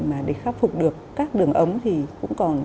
mà để khắc phục được các đường ấm thì cũng còn